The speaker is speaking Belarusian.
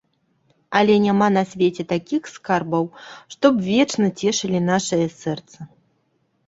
Але няма на свеце такіх скарбаў, што б вечна цешылі нашае сэрца.